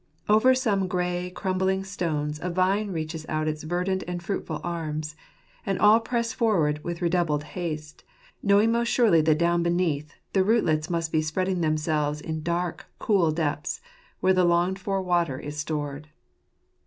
Over some grey crumbling stones a vine reaches out its verdant and fruitful arms ; and all press forward with redoubled haste, knowing most surely that down beneath the rootlets must be spreading them selves in dark, cool depths, where the longed for water is stored.